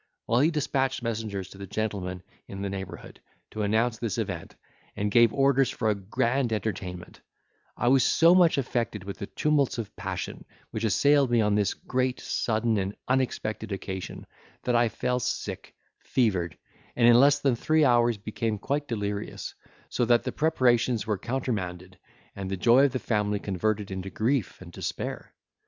While he dispatched messengers to the gentlemen in the neighbourhood, to announce this event, and gave orders for a grand entertainment, I was so much affected with the tumults of passion, which assailed me on this great, sudden, and unexpected occasion, that I fell sick, fevered, and in less than three hours became quite delirious: so that the preparations were countermanded, and the joy of the family converted into grief and despair.